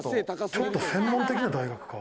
ちょっと専門的な大学か。